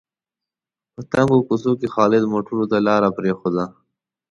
په تنګو کوڅو کې خالد موټرو ته لاره پرېښوده.